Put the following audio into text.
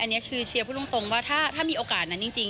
อันนี้คือเชียร์พูดตรงว่าถ้ามีโอกาสนั้นจริง